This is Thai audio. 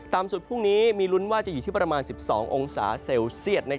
สุดพรุ่งนี้มีลุ้นว่าจะอยู่ที่ประมาณ๑๒องศาเซลเซียต